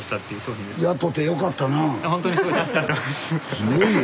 すごいね。